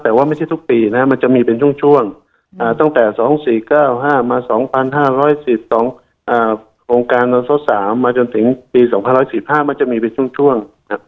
แต่ว่าไม่ใช่ทุกปีนะมันจะมีเป็นช่วงตั้งแต่๒๔๙๕มา๒๕๑๒โครงการเราสด๓มาจนถึงปี๒๔๕มันจะมีเป็นช่วง